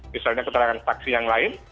misalnya keterangan saksi yang lain